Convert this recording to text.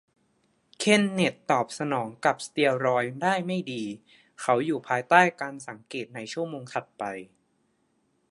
เคนเนธตอบสนองกับสเตียรอยด์ได้ไม่ดี เขาอยู่ภายใต้การสังเกตในชั่วโมงถัดไป